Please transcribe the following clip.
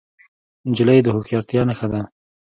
نجلۍ د هوښیارتیا نښه ده.